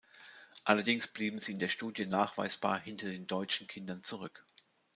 Allerdings blieben sie in der Studie nachweisbar hinter den deutschen Kindern zurück.